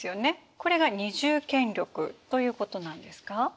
これが二重権力ということなんですか？